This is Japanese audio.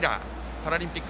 パラリンピック